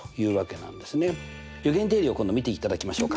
余弦定理を今度見ていただきましょうか。